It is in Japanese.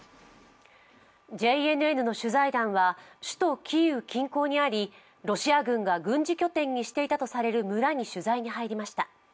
ＪＮＮの取材団は首都キーウ近郊にあり、ロシア軍が軍事拠点にしていたとされる村に取材に入りました。